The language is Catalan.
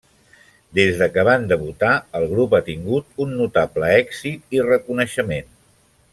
Des de quan van debutar, el grup ha tingut un notable èxit i reconeixement.